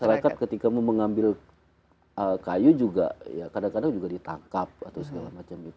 masyarakat ketika mau mengambil kayu juga ya kadang kadang juga ditangkap atau segala macam itu